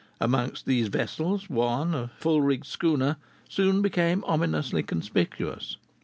Amongst these vessels, one, a full rigged schooner, soon became ominously conspicuous.